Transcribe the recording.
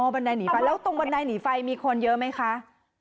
บันไดหนีไฟแล้วตรงบันไดหนีไฟมีคนเยอะไหมคะ